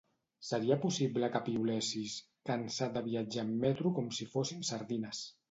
Seria possible que piulessis "cansat de viatjar en metro com si fóssim sardines"?